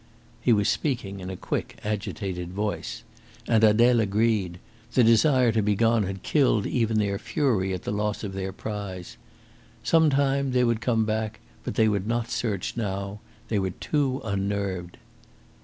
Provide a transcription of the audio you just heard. He was speaking in a quick, agitated voice. And Adele agreed. The desire to be gone had killed even their fury at the loss of their prize. Some time they would come back, but they would not search now they were too unnerved.